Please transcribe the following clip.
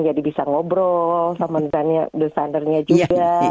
jadi bisa ngobrol sama desainernya juga